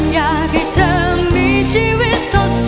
อยากให้เธอมีชีวิตสด